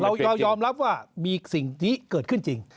เรายอมรับว่ามีสิ่งนี้เกิดขึ้นจริง